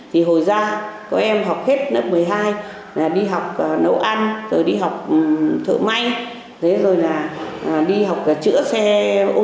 thì hồi ra có em học hết mức một mươi hai đi học nấu ăn rồi đi học thợ may rồi đi học chữa xe ô tô chữa xe máy